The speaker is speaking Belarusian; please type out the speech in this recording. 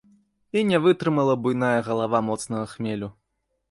І не вытрымала буйная галава моцнага хмелю.